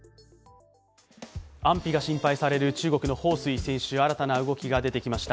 安否が心配される中国の彭帥選手、新たな動きが出てきました。